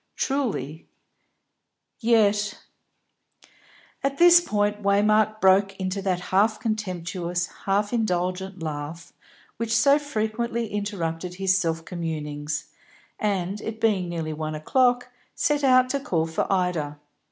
Truly; yet At this point Waymark broke into that half contemptuous, half indulgent laugh which so frequently interrupted his self communings, and, it being nearly one o'clock, set out to call for Ida.